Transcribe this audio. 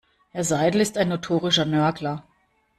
Herr Seidel ist ein notorischer Nörgler.